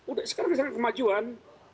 udah sekarang sangat kemajuan